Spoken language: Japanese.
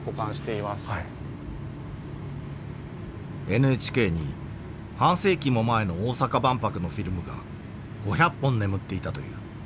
ＮＨＫに半世紀も前の大阪万博のフィルムが５００本眠っていたという。